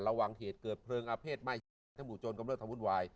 ระวังเหตุเกิดเพลิงอเพศไม่ถ้ามัวจนก็ไม่มีเดิมทำบุ่นวาย